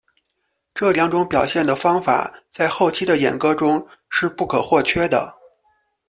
这两种表现的方法在后期的演歌中是不可或缺的。